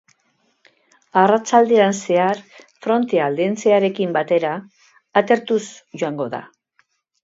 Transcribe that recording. Arratsaldean zehar, frontea aldentzearekin batera, atertuz joango da.